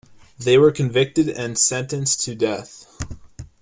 They were convicted and sentenced to death.